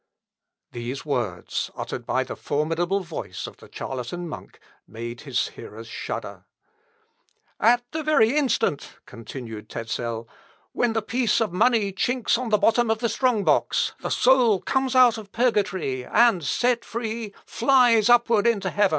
'" These words, uttered by the formidable voice of the charlatan monk, made his hearers shudder. "At the very instant," continued Tezel, "when the piece of money chinks on the bottom of the strong box, the soul comes out of purgatory, and, set free, flies upward into heaven."